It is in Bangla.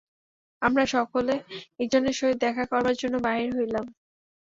আমরা সকলে একজনের সহিত দেখা করিবার জন্য বাহির হইলাম।